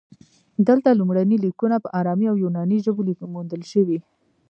دلته لومړني لیکونه په ارامي او یوناني ژبو موندل شوي